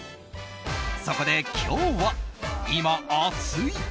そこで今日は今、熱い！